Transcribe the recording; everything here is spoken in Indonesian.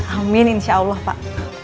amin insya allah pak